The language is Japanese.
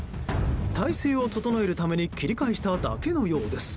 体勢を整えるために切り返しただけのためのようです。